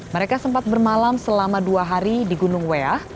mereka sempat bermalam selama dua hari di gunung weah